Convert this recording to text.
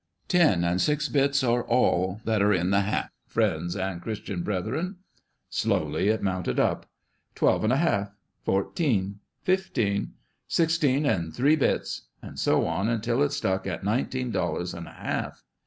" Ten and six bits are all that are in the hat, friends and Christian brethren." Slowly it mounted up. " Twelve and a half." "Fourteen." "Fifteen." "Six teen and three bits," and so on until it stuck at nineteen dollars and a half.